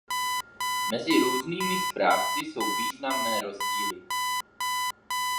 Mezi různými správci jsou významné rozdíly.